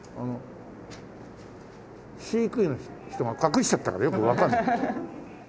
飼育員の人が隠しちゃったからよくわかんない。